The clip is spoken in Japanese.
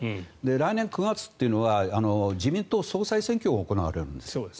来年９月というのは自民党総裁選挙が行われるんです。